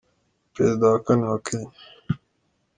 Ni Perezida wa kane wa Kenya.